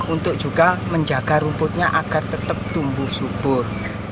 untuk juga menjaga rumputnya agar tetap tumbuh subur